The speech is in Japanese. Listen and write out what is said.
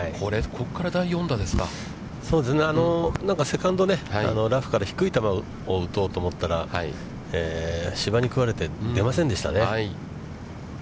セカンドね、ラフから低い球を打とうと思ったら芝に食われて出ませんでしたね。